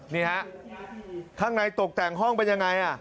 นี่ฮะข้างในตกแต่งห้องเป็นยังไง